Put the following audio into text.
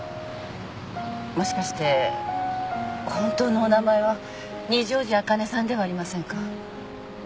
もしかして本当のお名前は二条路あかねさんではありませんか？